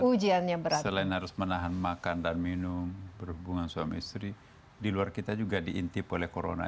ujiannya selain harus menahan makan dan minum berhubungan suami istri di luar kita juga diintip oleh corona